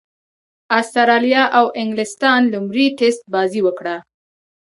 اسټراليا او انګليستان لومړۍ ټېسټ بازي وکړه.